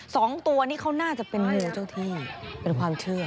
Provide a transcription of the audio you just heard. สองตัวนี่เขาน่าจะเป็นงูเจ้าที่เป็นความเชื่อ